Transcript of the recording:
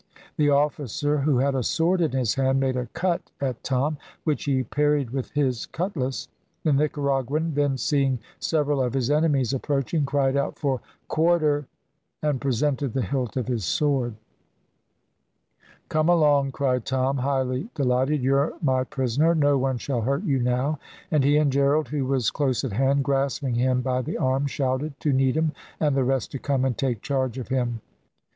The officer, who had a sword in his hand, made a cut at Tom, which he parried with his cutlass. The Nicaraguan then seeing several of his enemies approaching, cried out for "quarter," and presented the hilt of his sword. "Come along," cried Tom, highly delighted, "you're my prisoner; no one shall hurt you now;" and he and Gerald, who was close at hand, grasping him by the arm, shouted to Needham and the rest to come and take charge of him.